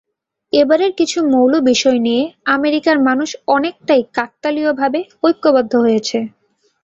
এবারে কিছু মৌল বিষয় নিয়ে আমেরিকার মানুষ অনেকটাই কাকতালীয় ভাবে ঐক্যবদ্ধ হয়েছে।